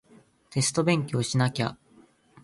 テスト勉強しなきゃ